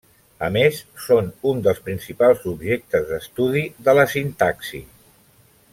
A més, són un dels principals objectes d'estudi de la Sintaxi.